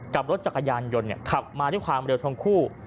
กับรถจักรยานยนต์ขับมาด้วยความเร็วทั้งคู่